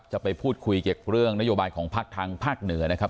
จะไปพูดคุยเกี่ยวกับเรื่องนโยบายของภาคทางภาคเหนือนะครับ